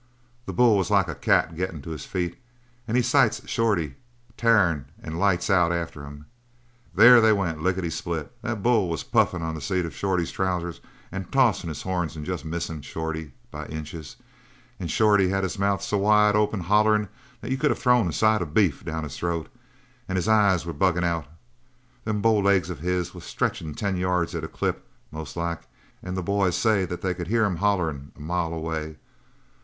"That bull was like a cat gettin' to his feet, and he sights Shorty tarin' and lights out after him. There they went lickety split. That bull was puffin' on the seat of Shorty's trowsers and tossin' his horns and jest missin' Shorty by inches; and Shorty had his mouth so wide open hollerin' that you could have throwed a side of beef down his throat; and his eyes was buggin' out. Them bow legs of his was stretchin' ten yards at a clip, most like, and the boys says they could hear him hollerin' a mile away.